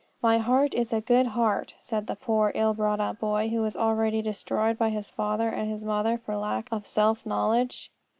"My heart is a good heart," said that poor ill brought up boy, who was already destroyed by his father and his mother for lack of self knowledge.